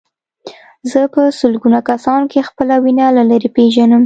زه په سلګونه کسانو کې خپله وینه له لرې پېژنم.